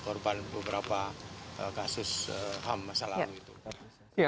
korban beberapa kasus ham selalu itu